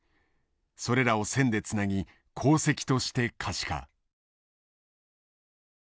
それらを線でつなぎ航跡として可視化。